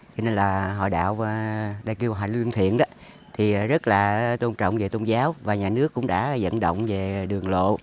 cho nên là hòa đạo đây kêu là hòa luân thiện rất là tôn trọng về tôn giáo và nhà nước cũng đã dẫn động về đường lộ